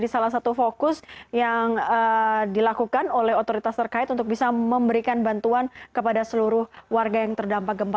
salah satu fokus yang dilakukan oleh otoritas terkait untuk bisa memberikan bantuan kepada seluruh warga yang terdampak gempa